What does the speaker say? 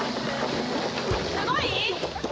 すごい？